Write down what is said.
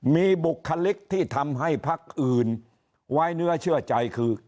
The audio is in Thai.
มีบุคลิกที่ทำให้พักอื่นไว้เนื้อเชื่อใจคือ